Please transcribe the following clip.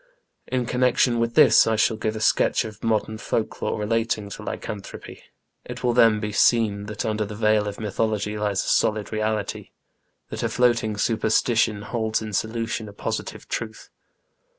In connection with this I shall give a sketch of modem folklore relating to Lycanthropy. It will then be seen that under the veil of mythology lies a solid reality, that a floating superstition holds in solution a positive truth.